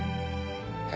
え？